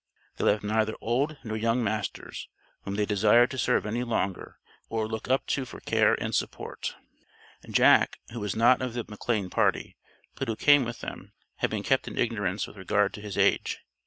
They left neither old nor young masters, whom they desired to serve any longer or look up to for care and support. Jack, who was not of the McLane party, but who came with them, had been kept in ignorance with regard to his age.